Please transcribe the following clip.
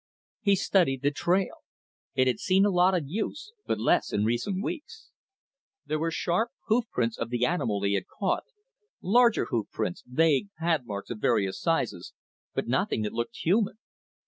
He studied the trail. It had seen a lot of use, but less in recent weeks. There were sharp hoof prints of the animal he had caught, larger hoof prints, vague pad marks of various sizes, but nothing that looked human.